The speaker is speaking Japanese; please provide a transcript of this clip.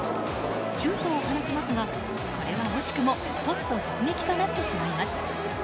シュートを放ちますがこれは惜しくもポスト直撃となってしまいます。